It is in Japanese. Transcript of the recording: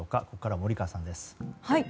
ここから、森川さんです。